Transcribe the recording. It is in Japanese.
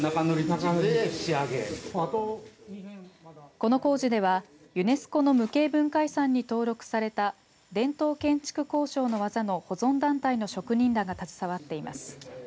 この工事ではユネスコの無形文化遺産に登録された伝統建築工匠の技の保存団体の職人らが携わっています。